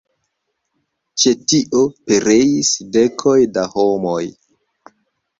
Ĉe tio pereis dekoj da homoj.